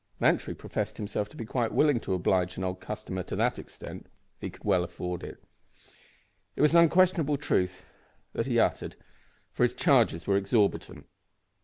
Lantry professed himself to be quite willing to oblige an old customer to that extent. He could well afford it, he said; and it was unquestionable truth that he uttered, for his charges were exorbitant.